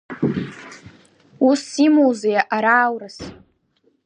Усс имоузеи, ара, аурыс?